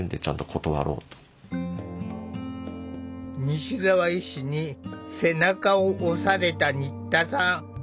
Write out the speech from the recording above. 西澤医師に背中を押された新田さん。